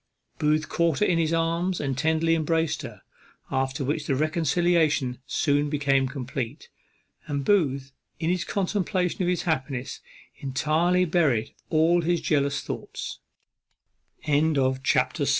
Booth caught her in his arms and tenderly embraced her. After which the reconciliation soon became complete; and Booth, in the contemplation of his happiness, entirely buried all hi